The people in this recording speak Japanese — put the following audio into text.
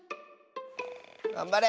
がんばれ！